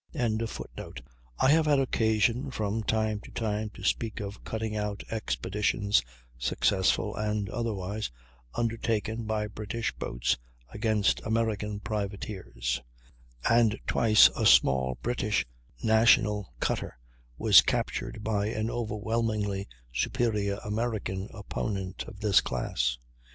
] I have had occasion from time to time to speak of cutting out expeditions, successful and otherwise, undertaken by British boats against American privateers; and twice a small British national cutter was captured by an overwhelmingly superior American opponent of this class.